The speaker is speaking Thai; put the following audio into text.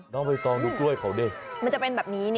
นั่งไปซองดูกล้วยเขาด้วย